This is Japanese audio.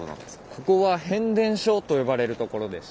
ここは変電所と呼ばれるところです。